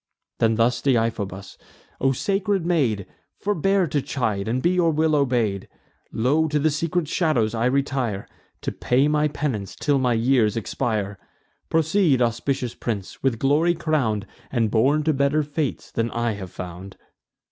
Then thus Deiphobus: "O sacred maid, Forbear to chide, and be your will obey'd! Lo! to the secret shadows I retire, To pay my penance till my years expire. Proceed, auspicious prince, with glory crown'd, And born to better fates than I have found."